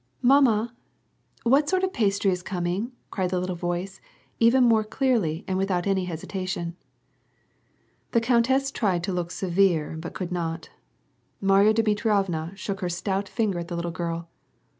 " Mamma ! what sort of pastry is coming ?" cried the little voice even more clearly and without any hesitation. The countess tried to look severe but could not. Marya Dmitrievna shook her stout finger at the girl.